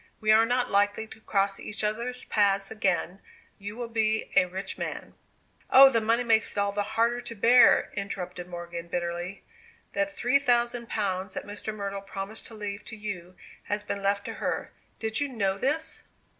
We are not likely to cross each other's paths again; you will be a rich man " "Oh, the money makes it all the harder to bear!" interrupted Morgan, bitterly. "That three thousand pounds that Mr. Myrtle promised to leave to you has been left to her. Did you know this?"